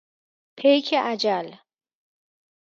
پیک اجل